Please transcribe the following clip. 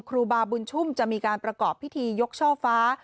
ครูบาบุญชุ่มจะมีการประกอบพิธียกช่อฟ้า